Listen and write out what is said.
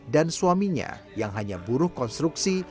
dan suaminya yang hanya buruh konstruksi